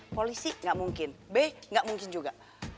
polisi gak mungkin b gak mungkin juga